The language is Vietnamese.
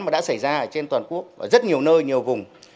mà đã xảy ra trên toàn quốc ở rất nhiều nơi nhiều vùng